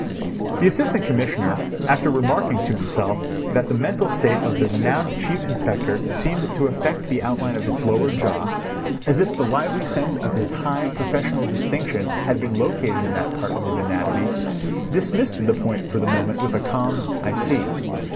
The Assistant Commissioner after remarking to himself that the mental state of the renowned Chief Inspector seemed to affect the outline of his lower jaw, as if the lively sense of his high professional distinction had been located in that part of his anatomy, dismissed the point for the moment with a calm "I see."